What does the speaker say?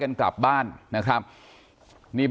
การแก้เคล็ดบางอย่างแค่นั้นเอง